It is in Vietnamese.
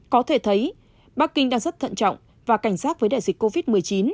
có thể thấy bắc kinh đang rất thận trọng và cảnh giác với đại dịch covid một mươi chín